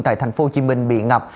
tại thành phố hồ chí minh bị ngập